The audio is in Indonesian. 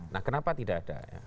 nah kenapa tidak ada